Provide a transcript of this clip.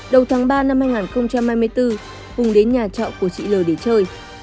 đầu tháng ba năm hai nghìn hai mươi bốn hùng đến nhà trọ của chị l để chơi